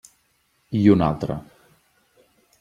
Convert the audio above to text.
I una altra.